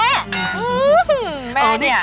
อื้อฮึแม่เนี่ย